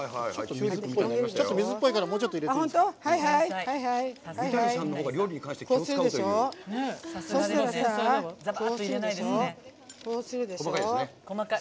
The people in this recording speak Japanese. ちょっと水っぽいからもうちょっと入れていいですか。